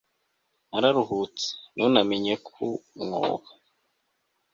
nararuhutse, nunamye ku mwobo